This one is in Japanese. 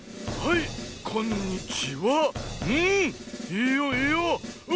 いいよいいよ。